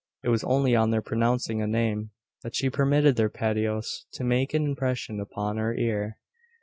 It was only on their pronouncing a name, that she permitted their patois to make an impression upon her ear.